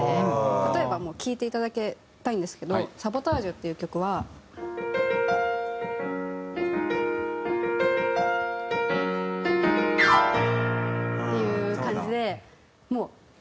例えば聴いていただきたいんですけど『ｓａｂｏｔａｇｅ』っていう曲は。っていう感じで。